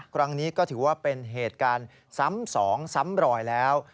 ครั้งนี้ก็ถือว่าเป็นเหตุการณ์ซ้ำสองซ้ำรอยแล้ว